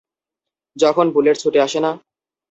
যখন বুলেট ছুটে আসে না?